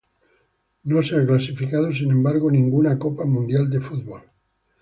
No se ha clasificado sin embargo a ninguna Copa Mundial de Fútbol.